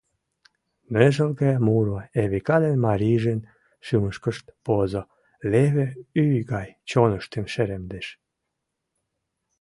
Ныжылге муро Эвика ден марийжын шӱмышкышт возо, леве ӱй гай чоныштым шеремдыш.